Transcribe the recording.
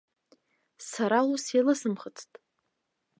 Сара ус еилысымхыцт.